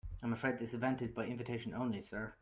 I'm afraid this event is by invitation only, sir.